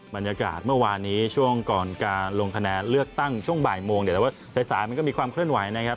บรรยากาศเมื่อวานนี้ช่วงก่อนการลงคะแนนเลือกตั้งช่วงบ่ายโมงแต่ว่าสายมันก็มีความเคลื่อนไหวนะครับ